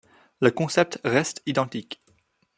Le concept reste identique.